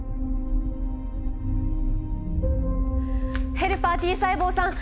ヘルパーＴ細胞さん！